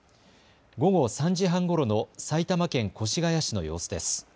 午後３時半ごろの埼玉県越谷市の様子です。